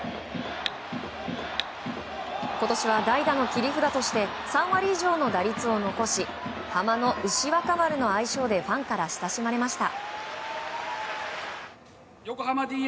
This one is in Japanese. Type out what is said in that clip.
今年は代打の切り札として３割以上の打率を残しハマの牛若丸の愛称でファンから親しまれました。